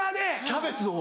キャベツを？